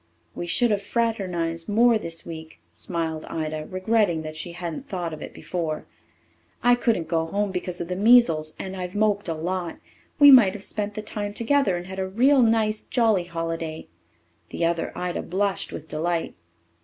"We should have fraternized more this week," smiled Ida, regretting that she hadn't thought of it before. "I couldn't go home because of the measles, and I've moped a lot. We might have spent the time together and had a real nice, jolly holiday." The other Ida blushed with delight.